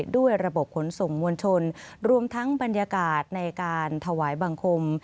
ด้วยระบบขนส่งมวลชนรวมทั้งบรรยากาศในการถวายบังคม